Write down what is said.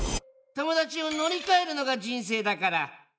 友達を乗り換えるのが人生だから。